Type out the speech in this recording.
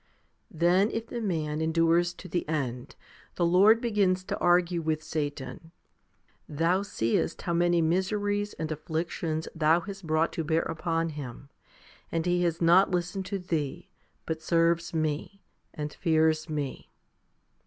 Then, if the man endures to the end, the Lord begins to argue with Satan, " Thou seest how many miseries and afflictions thou hast brought to bear upon him ; and he has not listened to thee, but serves Me, and fears Me."